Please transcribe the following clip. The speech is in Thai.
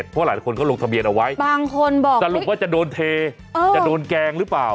บางคนบอกว่าสรุปว่าจะโดนเทจะโดนแกงหรือเปล่า